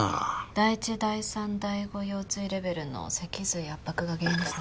第１第３第５腰椎レベルの脊髄圧迫が原因ですね。